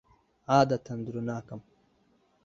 عادەتەن درۆ ناکەم.